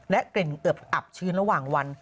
กลิ่นอึบอับชื้นระหว่างวัน